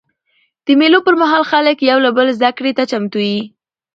د مېلو پر مهال خلک یو له بله زدهکړې ته چمتو يي.